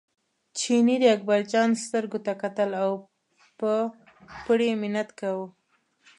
چیني د اکبرجان سترګو ته کتل او په پرې منت کاوه.